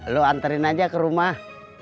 lo antarin aja ke rumah